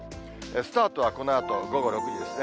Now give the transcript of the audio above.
スタートはこのあと午後６時ですね。